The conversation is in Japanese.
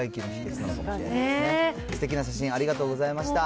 すてきな写真、ありがとうございました。